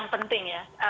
ini penting ya